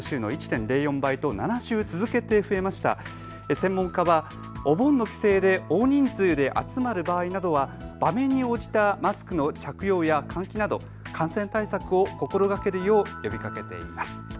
専門家はお盆の帰省で大人数で集まる場合などは場面に応じたマスクの着用や換気など感染対策を心がけるよう呼びかけています。